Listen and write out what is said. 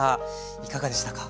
いかがでしたか？